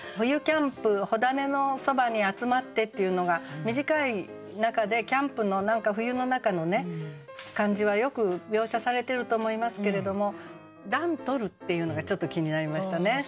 「冬キャンプ火種のそばに集まって」っていうのが短い中でキャンプの冬の中の感じはよく描写されてると思いますけれども「暖とる」っていうのがちょっと気になりましたね。